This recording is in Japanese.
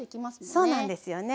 そうなんですよね。